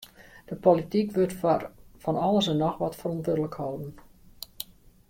De polityk wurdt foar fan alles en noch wat ferantwurdlik holden.